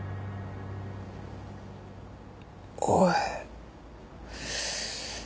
おい。